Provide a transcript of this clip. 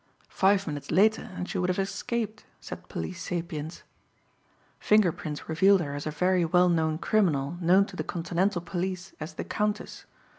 Five minutes later and she would have escaped said police sapience. Finger prints revealed her as a very well known criminal known to the continental police as "The Countess."